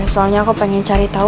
soalnya aku pengen cari tahu